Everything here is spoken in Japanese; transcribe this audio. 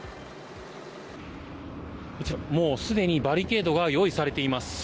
すでにバリケードが用意されています。